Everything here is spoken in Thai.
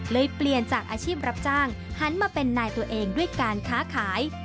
เปลี่ยนจากอาชีพรับจ้างหันมาเป็นนายตัวเองด้วยการค้าขาย